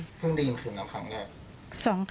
เพิ่งได้ยินคืนแล้วครั้งแรก